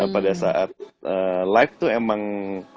pada saat live tuh emang